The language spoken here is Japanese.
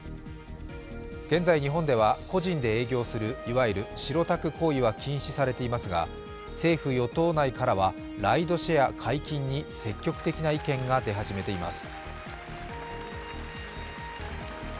現在、日本では個人で営業するいわゆる白タク行為は禁止されていますが、政府・与党内からはライドシェア解禁に積極的な意見が出始めています。